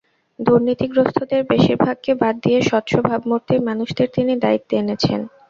দুর্নীতিগ্রস্তদের বেশির ভাগকে বাদ দিয়ে স্বচ্ছ ভাবমূর্তির মানুষদের তিনি দায়িত্বে এনেছেন।